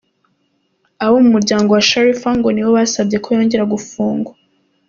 Abo mu muryango wa Sharifa ngo nibo basabye ko yongera gufungwa.